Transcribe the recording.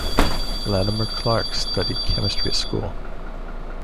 Latimer Clark studied chemistry at school.